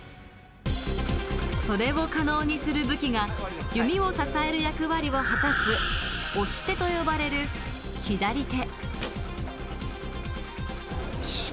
それを可能にする武器が弓を支える役割を果たす押し手と呼ばれる左手。